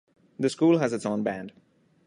The school has its own band.